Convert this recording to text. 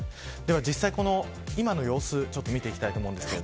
実際、今の様子見ていきたいと思います。